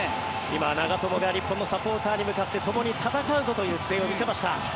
今、長友が日本のサポーターに向かってともに戦うぞという姿勢を見せました。